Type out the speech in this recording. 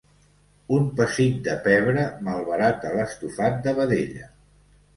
Un pessic de pebre malbarata l'estofat de vedella.